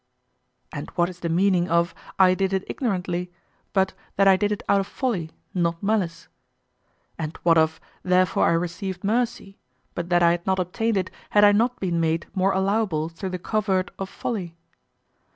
And what is the meaning of "I did it ignorantly" but that I did it out of folly, not malice? And what of "Therefore I received mercy" but that I had not obtained it had I not been made more allowable through the covert of folly?